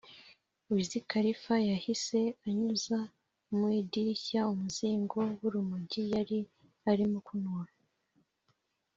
Wiz Khalifa yahise anyuza mu idirishya umuzingo w’urumogi yari arimo kunywa